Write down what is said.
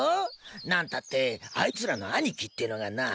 何たってあいつらの兄貴ってのがなあ